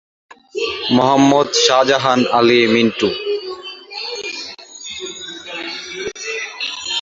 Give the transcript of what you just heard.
Mohammad Shahjahan Ali Mintu.